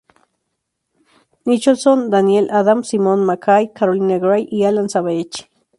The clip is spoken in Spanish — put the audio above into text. Nicholson, Daniel Adams, Simon McKay, Caroline Gray y Alan Savage.